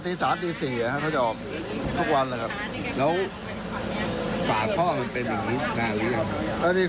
พี่แค่พวกจะออกไปเนี้ย